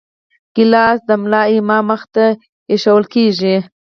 ګیلاس د ملا امام مخې ته ایښوول کېږي.